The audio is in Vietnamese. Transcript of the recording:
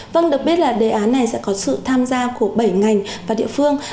vâng được biết là đề án này sẽ có sự tham gia của bảy ngành và địa phương